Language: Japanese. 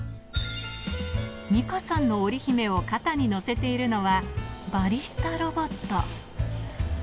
ミカさんのオリヒメを肩に載せているのは、バリスタロボット。